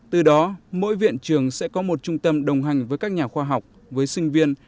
từ đó mỗi viện trường sẽ có một trung tâm đồng hành với các nhà khoa học với sinh viên